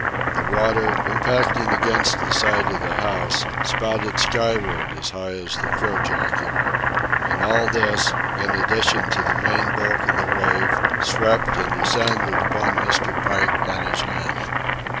The water, impacting against the side of the house, spouted skyward as high as the crojack yard. And all this, in addition to the main bulk of the wave, swept and descended upon Mr. Pike and his men.